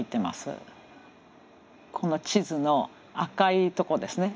この地図の赤いとこですね